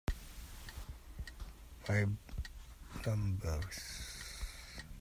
The tallest building in the world is eight hundred twenty nine point eight meters tall.